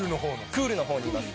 クールの方にいます。